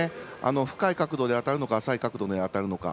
深い角度で当たるのか浅い角度で当たるのか。